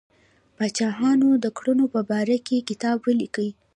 د پاچاهانو د کړنو په باره کې کتاب ولیکي.